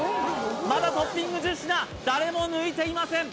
まだトッピング１０品誰も抜いていません